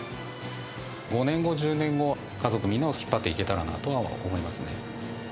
５年後、１０年後、家族みんなを引っ張っていけたらなとは思いますね。